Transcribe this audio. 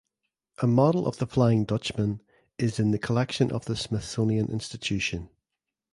A model of the "Flying Dutchman" is in the collection of the Smithsonian Institution.